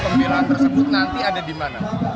pembelaan tersebut nanti ada di mana